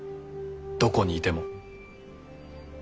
どこにいても。